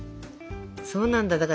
そうなんだ。